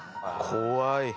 ・怖い。